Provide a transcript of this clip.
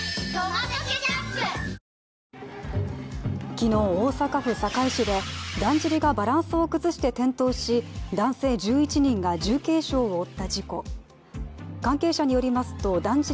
昨日、大阪府堺市でだんじりがバランスを崩して転倒し男性１１人が重軽傷を負った事故。